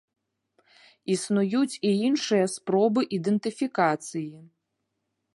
Існуюць і іншыя спробы ідэнтыфікацыі.